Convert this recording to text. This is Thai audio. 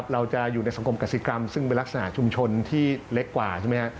เราจะอยู่ในสังคมกสิกรรมซึ่งเป็นลักษณะชุมชนที่เล็กกว่าใช่ไหมฮะ